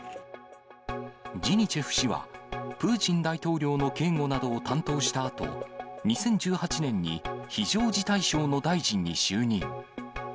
ジニチェフ氏は、プーチン大統領の警護などを担当したあと、２０１８年に非常事態省の大臣に就任。